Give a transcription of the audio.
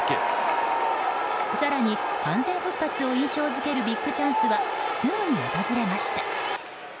更に完全復活を印象付けるビッグチャンスはすぐに訪れました。